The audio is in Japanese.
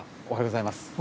おはようございます。